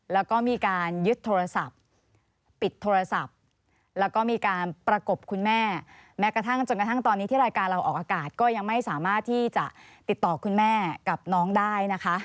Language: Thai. แล้วก็มีการยึดโทรศัพท์ปิดโทรศัพท์แล้วก็มีการประกบคุณแม่แม้กระทั่งจนกระทั่งตอนนี้ที่รายการเราออกอากาศก็ยังไม่สามารถที่จะติดต่อคุณแม่กับน้องได้นะคะ